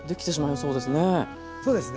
そうですね。